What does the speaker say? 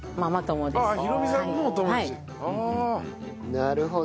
なるほど。